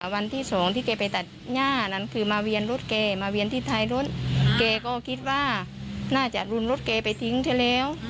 วันที่สองที่แกไปตัดย่านั้นคือมาเวียนรถแกมาเวียนที่ท้ายรถแกก็คิดว่าน่าจะรุนรถแกไปทิ้งเธอแล้ว